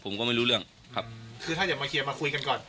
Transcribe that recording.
ผมก็ไม่รู้เรื่องครับคือถ้าอยากมาเคลียร์มาคุยกันก่อน